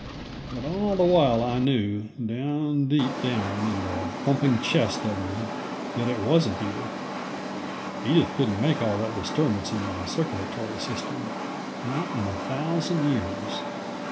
But all the while I knew, down deep down in the thumping chest of me, that it wasn't Edith. Edith couldn't make all that disturbance in my circulatory system, not in a thousand years.